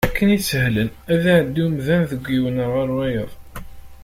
Akken isehlen ad iɛeddi umdan deg yiwen ɣer wayeḍ.